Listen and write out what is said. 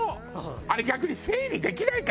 あれ逆に整理できないからね